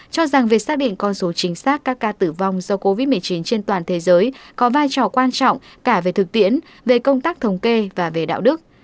cho rằng việc xác định con số chính xác các ca tử vong do covid một mươi chín trên toàn thế giới có vai trò quan trọng cả về thực tiễn về công tác thống kê và về đạo đức